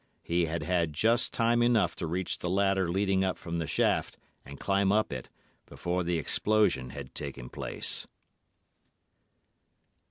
He had had just time enough to reach the ladder leading up from the shaft, and climb up it, before the explosion had taken place."